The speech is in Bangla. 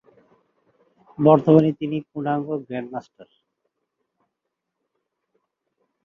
বর্তমানে তিনি পূর্ণাঙ্গ গ্র্যান্ডমাস্টার।